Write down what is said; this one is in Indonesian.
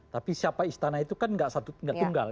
tapi siapa istana itu kan tidak satu tidak tunggal